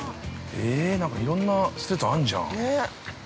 なんか、いろんな施設あんじゃん。